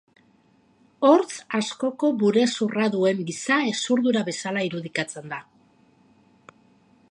Hortz askoko burezurra duen giza hezurdura bezala irudikatzen da.